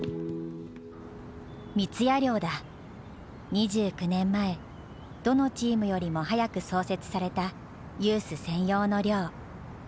２９年前どのチームよりも早く創設されたユース専用の寮。